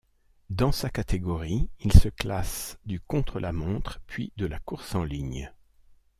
Dans sa catégorie, il se classe du contre-la-montre, puis de la course en ligne.